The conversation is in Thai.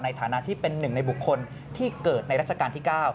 ในฐานะที่เป็นหนึ่งในบุคคลที่เกิดในรัชกาลที่๙